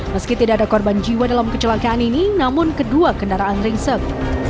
meski tidak ada korban jiwa dalam kecelakaan ini namun kedua kendaraan ringsek